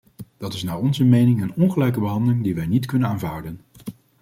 Dat is naar onze mening een ongelijke behandeling die wij niet kunnen aanvaarden.